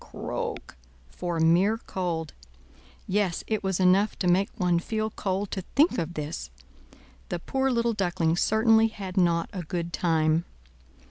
croak!" for mere cold; yes, it was enough to make one feel cold to think of this. The poor little Duckling certainly had not a good time.